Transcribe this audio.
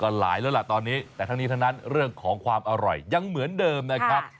หลายแล้วล่ะตอนนี้แต่ทั้งนี้ทั้งนั้นเรื่องของความอร่อยยังเหมือนเดิมนะครับ